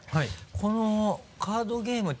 このカードゲームって。